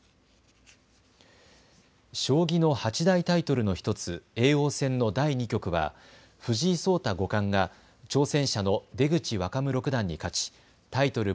将棋の八大タイトルの１つ、叡王戦の第２局は藤井聡太五冠が挑戦者の出口若武六段に勝ちタイトル